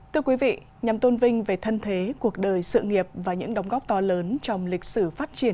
từ quý vị nhằm tôn vinh về thân thế cuộc đời sự nghiệp và những đóng góp to lớn trong lịch sử phát triển của nhật bản